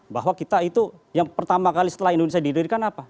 bahwa kita itu yang pertama kali setelah indonesia didirikan apa